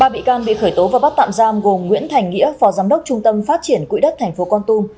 ba bị can bị khởi tố và bắt tạm giam gồm nguyễn thành nghĩa phò giám đốc trung tâm phát triển quỹ đất thành phố con tum